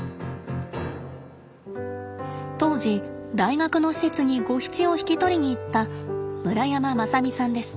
当時大学の施設にゴヒチを引き取りに行った村山正巳さんです。